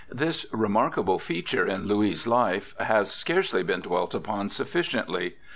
This remarkable feature in Louis' life has scarcely been dwelt upon sufficiently.